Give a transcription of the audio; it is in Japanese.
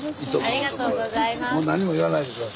ありがとうございます。